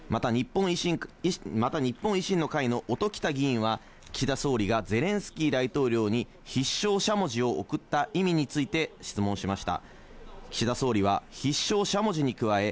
また日本維新の会の音喜多議員は岸田総理がゼレンスキー大統領に必勝しゃもじを贈った意味について質問しました。